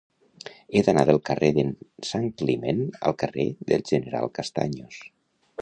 He d'anar del carrer d'en Santcliment al carrer del General Castaños.